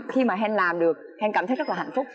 khi mà hèn làm được hèn cảm thấy rất là hạnh phúc